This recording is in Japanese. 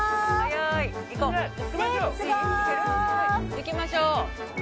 行きましょう。